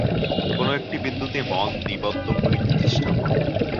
কোন একটি বিন্দুতে মন নিবদ্ধ করিতে চেষ্টা কর।